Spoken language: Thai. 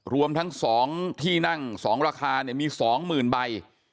รวมทั้ง๒ที่นั่ง๒ราคามี๒๐๐๐ใบ